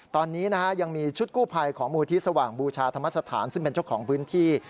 ตอนนี้นะฮะยังมีชุดกู้ภัยของมูลที่สว่างบูชาธรรมสถานซึ่งเป็นเจ้าของพื้นที่